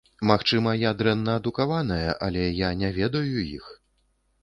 Магчыма, я дрэнна адукаваная, але я не ведаю іх.